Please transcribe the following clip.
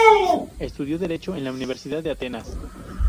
Estudió derecho en la Universidad de Atenas.